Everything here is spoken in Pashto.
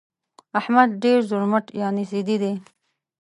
احمد ډېر زورمټ يانې ضدي دى.